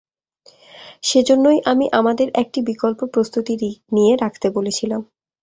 সেজন্যই আমি আমাদের একটি বিকল্প প্রস্তুতি নিয়ে রাখতে বলেছিলাম।